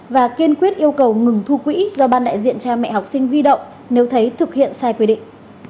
và kiên quyết yêu cầu ngừng thu quỹ do ban đại diện cha mẹ học sinh huy động nếu thấy thực hiện sai quy định